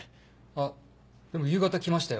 あっでも夕方来ましたよ。